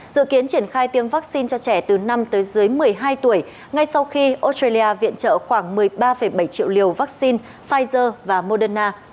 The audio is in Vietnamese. dự kiến triển khai tiêm vaccine cho trẻ từ năm tới dưới một mươi hai tuổi ngay sau khi australia viện trợ khoảng một mươi ba bảy triệu liều vaccine pfizer và moderna